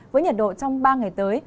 với nhiệt độ trong ba ngày tới